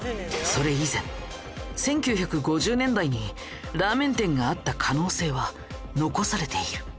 それ以前１９５０年代にラーメン店があった可能性は残されている。